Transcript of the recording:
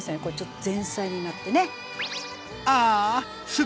これちょっと前菜になってね。